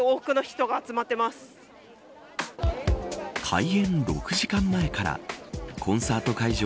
開演６時間前からコンサート会場